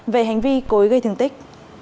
về hành vi cối gây thương tích